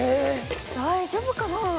大丈夫かな？